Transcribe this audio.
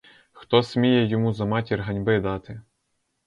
Хто сміє йому за матір ганьби дати?